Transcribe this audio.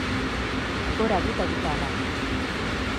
Gora gu eta gutarrak